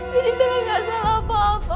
jadi bella gak salah apa apa